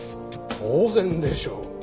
当然でしょう。